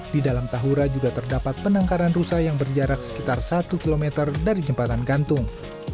di dalam tahura juga terdapat penangkaran rusa yang berjarak sekitar satu km dari jembatan gantung